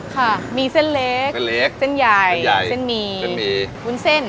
ค่ะมีเส้นเล็กเส้นใหญ่เส้นมีวุ้นเส้น